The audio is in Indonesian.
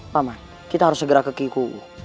paman kita harus segera ke kiku